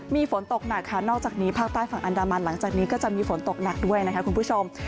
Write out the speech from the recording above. มีฝนตกหนักค่ะนอกจากนี้ภาคใต้ฝั่งอันดามันหลังจากนี้ก็จะมีฝนตกหนักด้วยนะคะคุณผู้ชม